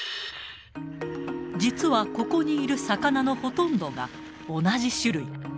実はここにいる魚のほとんどが同じ種類。